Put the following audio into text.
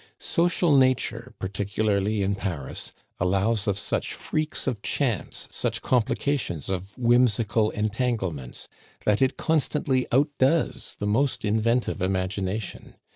Social nature, particularly in Paris, allows of such freaks of chance, such complications of whimsical entanglements, that it constantly outdoes the most inventive imagination.